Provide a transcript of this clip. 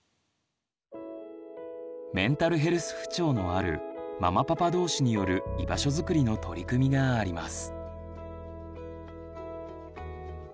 メンタルヘルス不調のあるママパパ同士による居場所づくりの取り組みがあります。